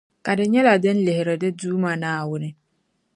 Ka di nyɛla din lihiri di Duuma Naawuni.